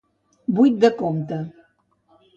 Buit de compte.